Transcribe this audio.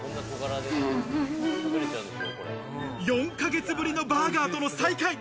４ヶ月ぶりのバーガーとの再会。